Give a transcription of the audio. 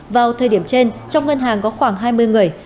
vào thời điểm trên trong ngân hàng có khoảng hai mươi người